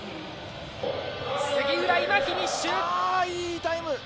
杉浦、今フィニッシュ！